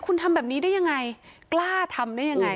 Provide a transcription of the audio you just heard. คุณทำแบบนี้ได้ยังไงกล้าทำได้ยังไง